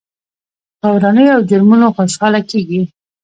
پر ورانيو او جرمونو خوشحاله کېږي.